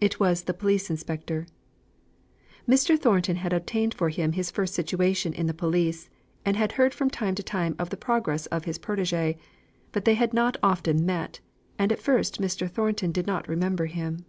It was the police inspector. Mr. Thornton had obtained for him his first situation in the police, and had heard from time to time of the progress of his protégé, but they had not often met, and at first Mr. Thornton did not remember him.